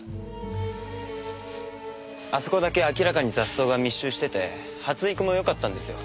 あそこだけ明らかに雑草が密集してて発育も良かったんですよ。